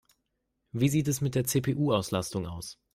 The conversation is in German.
Wie sieht es mit der CPU-Auslastung aus?